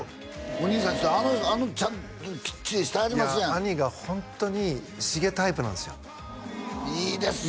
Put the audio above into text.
お兄さんあのちゃんときっちりしてはりますやん兄がホントにしげタイプなんですよいいですよ